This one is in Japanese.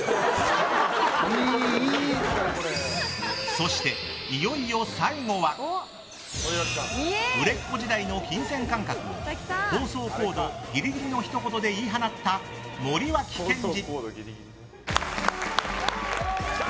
そして、いよいよ最後は売れっ子時代の金銭感覚を放送コードギリギリのひと言で言い放った森脇健児。